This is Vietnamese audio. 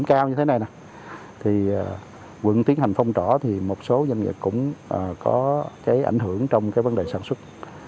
điểm cao như thế này nè quận tiến hành phong trỏ thì một số doanh nghiệp cũng có ảnh hưởng trong vấn đề sản xuất